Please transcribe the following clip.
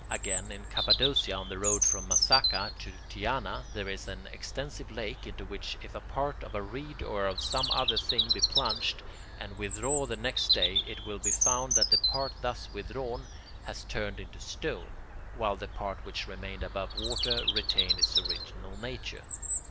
Again, in Cappadocia on the road from Mazaca to Tyana, there is an extensive lake into which if a part of a reed or of some other thing be plunged, and withdrawn the next day, it will be found that the part thus withdrawn has turned into stone, while the part which remained above water retains its original nature.